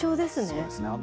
そうですね。